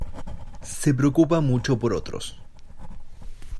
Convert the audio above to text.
Se preocupa mucho por otros.